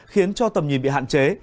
khiến cho tầm nhìn bị hạn chế